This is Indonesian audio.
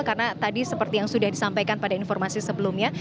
karena tadi seperti yang sudah disampaikan pada informasi sebelumnya